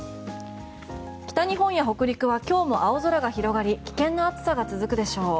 北日本や北陸は今日も青空が広がり危険な暑さが続くでしょう。